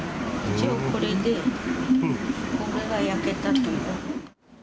一応これで、これは焼けたと。